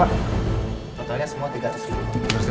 totalnya semua tiga ratus ribu